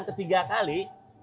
ini dibunyikan ketiga kali